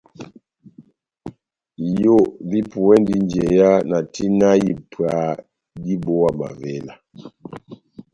Iyo vipuwɛndi njeya na tina ipwa dibówa mavela.